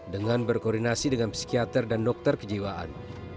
dengan berkoordinasi dengan psikiater dan dokter kejiwaan